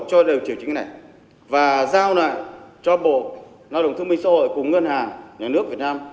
cho điều chỉnh này và giao lại cho bộ lao động thương binh xã hội cùng ngân hàng nhà nước việt nam